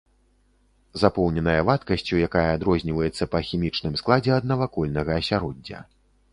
Запоўненая вадкасцю, якая адрозніваецца па хімічным складзе ад навакольнага асяроддзя.